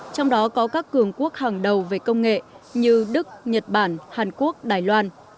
trong đó có các cường quốc hàng đầu về công nghệ như đức nhật bản hàn quốc đài loan